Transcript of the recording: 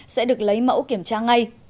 sẽ được lấy mẫu kiểm tra ngay